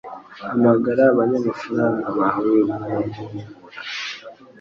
Hamagara abanyamafarasi bawe b'urubura